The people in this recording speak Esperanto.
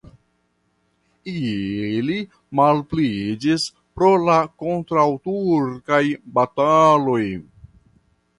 Ili malpliiĝis pro la kontraŭturkaj bataloj.